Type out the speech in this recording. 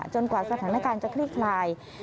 กว่าสถานการณ์จะคลี่คลาย